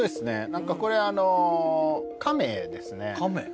何かこれあのカメですねはいカメ？